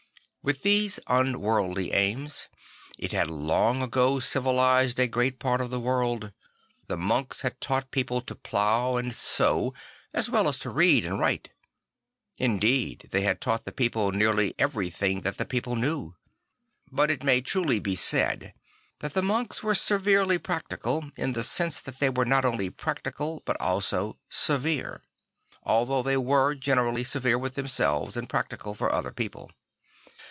With these unworldly aims it had long ago civilised a great part of the world. The monks had taught people to plough and sow as well as to read and write; indeed they had taught the people nearly everything that the people knew. But it may truly be said that the monks were severely practical, in the sense that they were not only practical but also severe; though they were generally severe with themselves and practical for other people.